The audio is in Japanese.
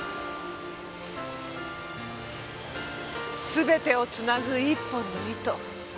全てをつなぐ一本の糸。